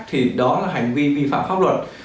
thì đó là hành vi vi phạm pháp luật